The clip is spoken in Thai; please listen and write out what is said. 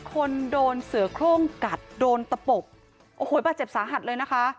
คนโดนเสือโครงกัดโดนตะปบโอ้โหบาดเจ็บสาหัสเลยนะคะ